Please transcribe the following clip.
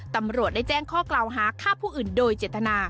ตำรวจได้แจ้งข้อกล่าวหาฆ่าผู้อื่นโดยเจตนา